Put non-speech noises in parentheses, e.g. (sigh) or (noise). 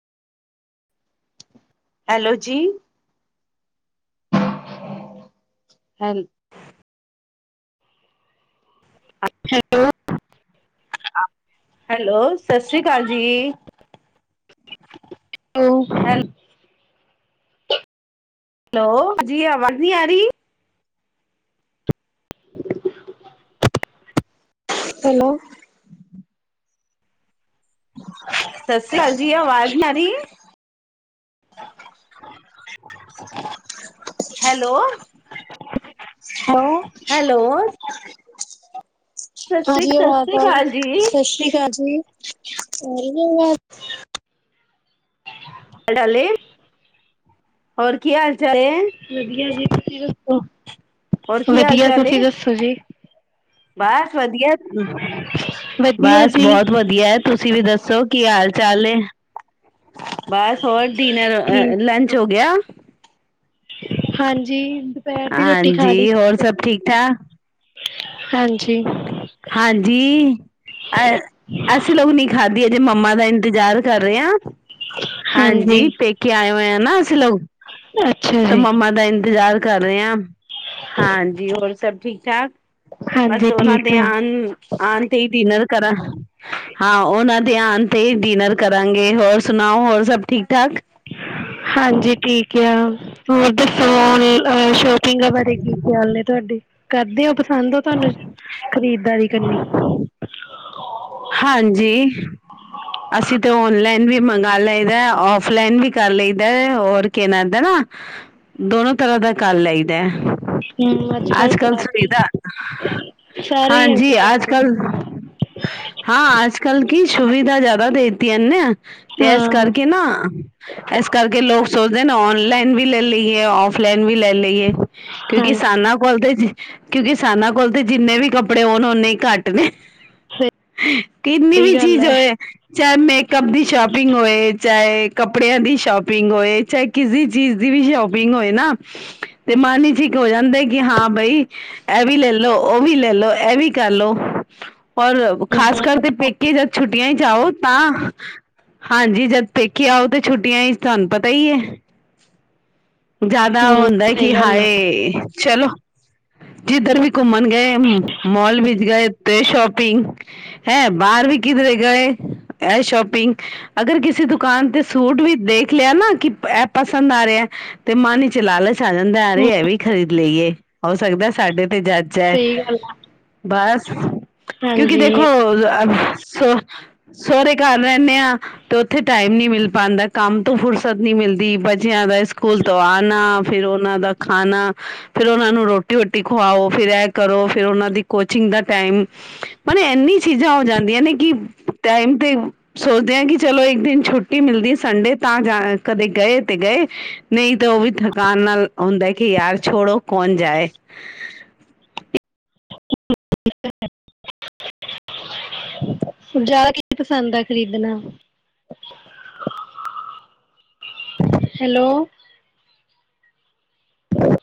Hello ਜੀ ਹੈ hello hello ਸਤਿ ਸ੍ਰੀ ਅਕਾਲ ਜੀ ਹੈਲੋ ਹੈਲੋ ਜੀ ਆਵਾਜ਼ ਨਹੀਂ ਆ ਰਹੀ ਹੈਲੋ ਸਤਿ ਸ੍ਰੀ ਅਕਾਲ ਜੀ ਆਵਾਜ਼ ਨਹੀਂ ਆ ਰਹੀ ਹੈਲੋ ਹੈਲੋ ਸਤਿ ਸ੍ਰੀ ਹਾਂਜੀ ਸਤਿ ਅਵਾਜ਼ ਸ੍ਰੀ ਆ ਅਕਾਲ ਜੀ ਸਤਿ ਸ੍ਰੀ ਅਕਾਲ ਜੀ (unintelligible) ਆ ਰਹੀ ਹੈ ਅਵਾਜ਼ ਡਾਲੇ ਹੋਰ ਕੀ ਹਾਲ (unintelligible) ਵਧੀਆ ਜੀ ਤੁਸੀਂ? ਆਹ ਹੋਰ (unintelligible) (unintelligible) ਕੀ ਹਾਲ ਵਧੀਆ ਚਾਲ ਏ ਤੁਸੀਂ ਦੱਸੋ ਜੀ ਬਸ ਵਧੀਆ ਵਧੀਆ ਬਸ ਜੀ ਬਹੁਤ ਵਧੀਆ ਤੁ ਤੁਸੀਂ ਵੀ ਦੱਸੋ ਕੀ ਹਾਲ ਚਾਲ ਏ ਬਸ ਹੋਰ ਡਿਨਰ ਆ ਠੀਕ ਲੰਚ ਹੋ ਗਿਆ। ਹਾਂਜੀ। ਦੁਪਹਿਰ ਦੀ ਰੋਟੀ ਖਾ ਲਈ ਹਾਂਜੀ ਹੋਰ ਸਭ ਠੀਕ ਠਾਕ ਹਾਂਜੀ। ਹਾਂਜੀ ਅ ਅਸੀਂ ਲੋਕ ਨਹੀਂ ਖਾਧ ਦੀ ਅਜੇ ਮੰਮਾ ਦਾ ਇੰਤਜ਼ਾਰ ਕਰ ਰਹੇ ਆ। ਹਾਂਜੀ ਪੇਕੇ ਆਏ ਹੋਏ ਆ ਨਾ ਅਸੀ ਲ ਅੱਛਾ ਤੇ ਜੀ ਮੰਮਾ ਦਾ ਇੰਤਜ਼ਾਰ ਕਰ ਰਹੇ ਆ ਹਾਂਜੀ ਹੋਰ ਸਭ ਠੀਕ ਠਾਕ ਹਾਂਜੀ ਠੀਕ ਆ ਆਉਣ ਆਉਣ ਤੇ ਡਿਨਰ ਕਰ ਹਾਂ ਉਹਨਾਂ ਧਿਆਨ ਤੇ ਡਿਨਰ ਕਰਾਂਗੇ ਹੋਰ ਸੁਣਾਓ ਹੋਰ ਸਭ ਠੀਕ ਠਾਕ ਹਾਂਜੀ ਠੀਕ ਆ ਹੋਰ ਦੱਸੋ ਸ਼ੋਪਿੰਗ ਬਾਰੇ ਕੀ ਖਿਆਲ ਨੇ ਤੁਹਾਡੇ ਕਰਦੇ ਹੋ ਪਸੰਦ ਹੋ ਤੁਹਾਨੂੰ ਖਰੀਦਦਾਰੀ ਕਰਨੀ ਹ ਹਾਂਜੀ ਅਸੀਂ ਤੇ ਓਨਲਾਈਨ ਵੀ ਮੰਗਵਾ ਲਈਦਾ ਔਫਲਾਈਨ ਵੀ ਕਰ ਲਈਦਾ ਰ ਕ ਨਾ ਦੋਨੋ ਤਰ੍ਹਾਂ ਦਾ ਕਰ ਲਈਦਾ ਹੈ ਅੱਜ ਕੱਲ ਸੁਵੀਧਾ ਸਾਰੇ ਹੀ ਹਾਂਜੀ ਅੱਜ ਕੱਲ ਹਾਂ ਅੱਜ ਕੱਲ ਕੀ ਸੁਵਿਧਾ ਜ਼ਿਆਦਾ ਦੇਤੀ ਹਨ ਨਾ ਤੇ ਇਸ ਹਾਂ ਕਰਕੇ ਨਾ ਇਸ ਕਰਕੇ ਲੋਕ ਸੋਚ ਨ ਔਨਲਾਈਨ ਵੀ ਲੈ ਲਈ ਹੈ ਔਫਲਾਈਨ ਵੀ ਲੈ ਲਈਏ ਕਿਉਂਕਿ ਹਾਂਜੀ ਸਾਨਾਂ ਕੋਲ ਤਾਂ ਕਿਉਂਕਿ ਸਾਨਾਂ ਕੋਲ ਤਾਂ ਜਿੰਨੇ ਵੀ ਕੱਪੜੇ ਹੋਣ ਓਨੇ ਘੱਟ ਨੇ ਹਾਂ ਕਿਨੀ ਸਹੀ ਵੀ ਗੱਲ ਚੀਜ਼ ਹੋ ਹੈ ਚਾਹੇ ਮੇਕਅਪ ਦੀ ਸ਼ੋਪਿੰਗ ਹੋਏ ਚਾਹੇ ਕੱਪੜਿਆਂ ਦੀ ਸ਼ੋਪਿੰਗ ਹੋਏ ਚਾਹੇ ਕਿਸੇ ਚੀਜ਼ ਦੀ ਵੀ ਸ਼ੋਪਿੰਗ ਹੋਏ ਨਾ ਤੇ ਮਨ ਹੀ ਠੀਕ ਹੋ ਜਾਂਦਾ ਕਿ ਹਾਂ ਬਾਈ ਇਹ ਵੀ ਲੈਲੋ ਵੀ ਲੈਲੋ ਇਹ ਵੀ ਕਰਲੋ ਔਰ ਖਾਸ ਕਰਕੇ ਪੇਕੇ ਜਦ ਛੁੱਟੀਆਂ ਹੀ ਜਾਓ ਤਾਂ ਹਾਂਜੀ ਜਦ ਦੇੇਖੀ ਆਉ ਤੇ ਛੁੱਟੀਆਂ ਹੀ ਤੁਹਾਨੂੰ ਪਤਾ ਹੀ ਹੈ ਜਿਆਦਾ ਉਹ ਹਮ ਹੁੰਦਾ ਕਿ ਸਹੀ ਗੱਲ ਆ ਹਾਏ ਚਲੋ ਜਿੱਧਰ ਵੀ ਘੁੰਮਣ ਗਏ ਮੋਲ ਵਿੱਚ ਗਏ ਤੇ ਸ਼ੋਪਿੰਗ ਹੈ ਬਾਹਰ ਵੀ ਕਿਧਰੇ ਗਏ ਇਹ ਸ਼ੋਪਿੰਗ ਅਗਰ ਕਿਸੇ ਦੁਕਾਨ ਤੇ ਸੂਟ ਵੀ ਦੇਖ ਲਿਆ ਨਾ ਕਿ ਇਹ ਪਸੰਦ ਆ ਰਿਹਾ ਤੇ ਮਨ ਹੀ ਚਲਾ ਲ ਪਸੰਦ ਆ ਜੇ ਹੂੰ ਇਹ ਵੀ ਖਰੀਦ ਲਈਏ ਹੋ ਸਕਦਾ ਸਾਡੇ ਤੇ ਜਾੱਚ ਏ ਸਹੀ ਗੱਲ ਆ। ਬਸ ਹ ਹਾਂਜੀ (inaudible) ਸੋਹੁਰ ਘਰ ਰਹਿੰਦੇ ਆ ਤੇ ਉਥੇ ਟਾਈਮ ਨੀ ਮਿਲ ਪਾਉਦਾ ਕੰਮ ਤੋਂ ਫੁਰਸਤ ਨੀ ਮਿਲਦੀ ਬੱਚਿਆਂ ਦਾ ਸਕੂਲ ਤੋਂ ਆਣਾ ਫਿਰ ਉਹਨਾਂ ਦਾ ਖਾਣਾ ਫੇਰ ਉਹਨਾ ਨੂੰ ਰੋਟੀ ਵੋਟੀ ਖਵਾਓ ਫਿਰ ਇਹ ਕਰੋ ਫਿਰ ਉਹਨਾਂ ਦੀ ਕੋਚਿੰਗ ਦਾ ਟਾਈਮ ਮ ਇਨੀ ਚੀਜ਼ਾਂ ਹੋ ਜਾਂਦੀਆਂ ਨੇ ਕਿ ਟਾਈਮ ਤੇ ਸੋਚਦੇ ਆ ਕਿ ਚਲੋ ਇੱਕ ਦਿਨ ਛੁੱਟੀ ਮਿਲਦੀ ਸੰਡੇ ਤਾਂ ਜਾ ਕਦੇ ਗਏ ਤੇ ਗਏ ਨਹੀਂ ਤਾਂ ਉਹ ਵੀ ਥਕਾਨ ਨਾਲ ਹੁੰਦਾ ਕਿ ਯਾਰ ਛੋੜੋ ਕੌਣ ਜਾਏ ਜ਼ਿਆਦਾ ਕੀ ਪਸੰਦ ਆ ਖਰੀਦਣਾ ਹੈਲੋ